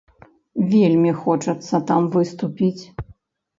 Вельмі хочацца там выступіць.